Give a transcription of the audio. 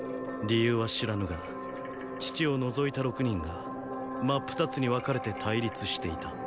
理由は知らぬが父を除いた六人が真っ二つにわかれて対立していた。